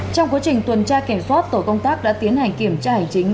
trong quá trình tuần tra kiểm soát tổ công tác đã tiến hành kiểm tra hành chính